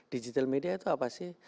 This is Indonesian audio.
digital media itu apa sih